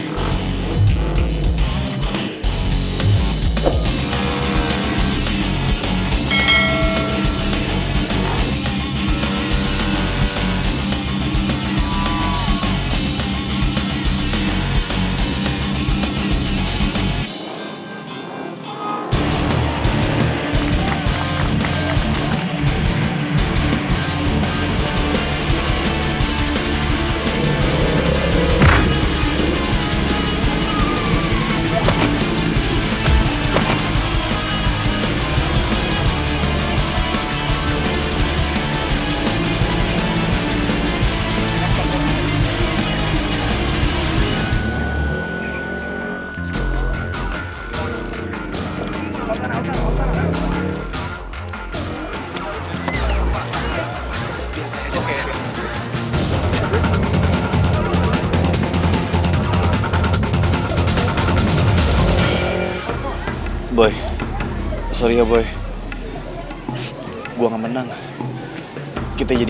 gue mau ke rumah